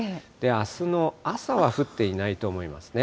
あすの朝は降っていないと思いますね。